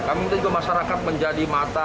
kami minta juga masyarakat menjadi mata